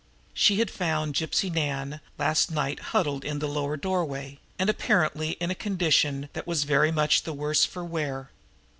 She had found Gypsy Nan last night huddled in the lower doorway, and apparently in a condition that was very much the worse for wear.